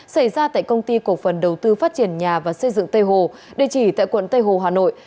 xảy ra tại công ty cổ phần đầu tư phát triển nhà và xây dựng tây hồ địa chỉ tại quận tây hồ hà nội